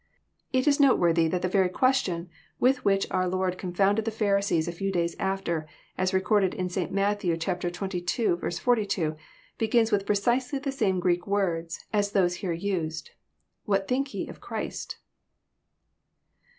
It is noteworthy that the very question with which our Lord confounded the Pharisees a few days after, as recorded in St. Matthew xxii. 42, begins with precisely the same Greek words as those here used, '* What think ye of Christ?